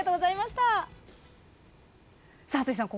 さあ淳さん